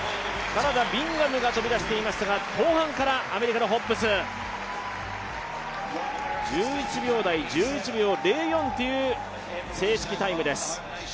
カナダ・ビンガムが飛び出していましたが、後半からアメリカのホッブス、１１秒０４という正式タイムです。